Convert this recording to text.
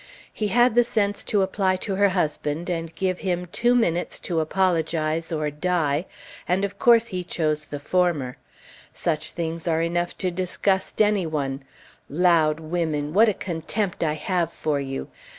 He had the sense to apply to her husband and give him two minutes to apologize or die, and of course he chose the former. Such things are enough to disgust any one. "Loud" women, what a contempt I have for you!